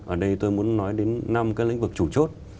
ở đây tôi muốn nói đến năm cái lĩnh vực chủ chốt